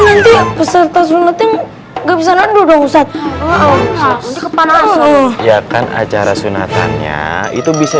nanti peserta sunat yang enggak bisa ngeduk dong ustadz ya kan acara sunatannya itu bisa